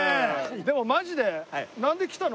でもマジでなんで来たの？